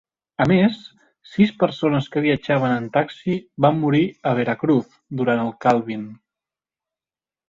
A més, sis persones que viatjaven en taxi van morir a Veracruz durant el Calvin.